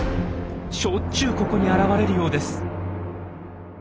しょっちゅうここに現れるようです。